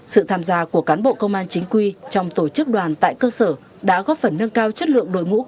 sự tham gia của cán bộ công an chính quy trong tổ chức đoàn tại cơ sở đã góp phần nâng cao chất lượng đội ngũ cán bộ